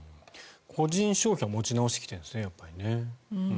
個人消費は持ち直してきているんですね。